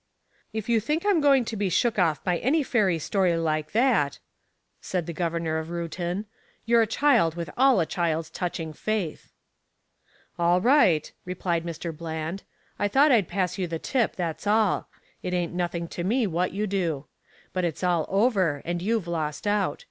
"If you think I'm going to be shook off by any fairy story like that," said the mayor of Reuton "you're a child with all a child's touching faith." "All right," replied Mr. Bland, "I thought I'd pass you the tip, that's all. It ain't nothing to me what you do. But it's all over, and you've lost out.